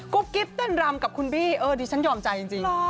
กรุ๊ปกิ๊บเต้นรำกับคุณบิ๊ดิฉันยอมใจจริง